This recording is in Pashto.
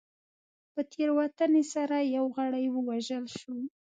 په تېروتنې سره یو غړی ووژل شو.